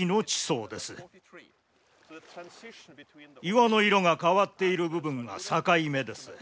岩の色が変わっている部分が境目です。